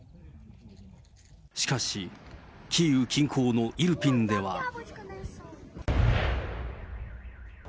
しかし、キーウ近郊のイルピンでは。